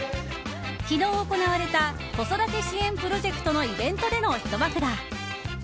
昨日行われた子育て支援プロジェクトのイベントでのひと幕だ。